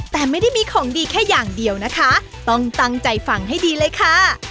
แต่ไม่ได้มีของดีแค่อย่างเดียวนะคะต้องตั้งใจฟังให้ดีเลยค่ะ